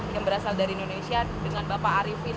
yang berasal dari indonesia dengan bapak arifin